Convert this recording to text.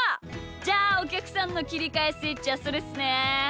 じゃあおきゃくさんのきりかえスイッチはそれっすね。